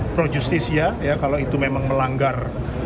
pro justisia ya kalau itu memang melanggar